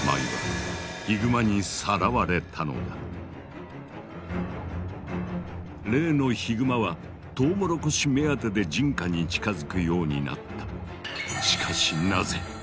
マユは例のヒグマはトウモロコシ目当てで人家に近づくようになった。